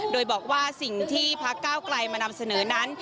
โดยบอกว่าสิ่งที่พักเก้าไกลมานำเสนอนั้น